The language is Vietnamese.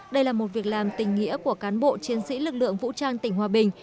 đây là một việc làm tình nghĩa của cán bộ chiến sĩ lực lượng vũ trang tỉnh hòa bình